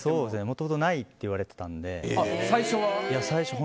もともとないって言われてたので。